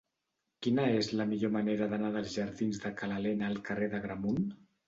Quina és la millor manera d'anar dels jardins de Ca l'Alena al carrer d'Agramunt?